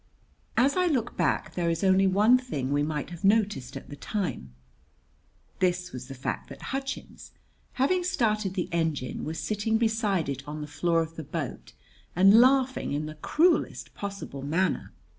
As I look back, there is only one thing we might have noticed at the time. This was the fact that Hutchins, having started the engine, was sitting beside it on the floor of the boat and laughing in the cruelest possible manner.